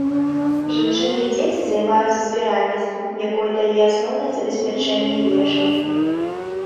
Жанчыны і дзеці займаюцца збіральніцтвам, якое дае асноўнае забеспячэнне ежай.